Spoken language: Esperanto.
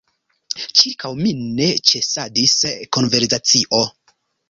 Ĉirkaŭ mi ne ĉesadis konversacio.